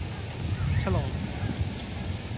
ฉลอง !